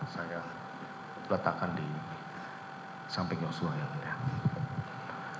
saya letakkan di samping joshua yang melihat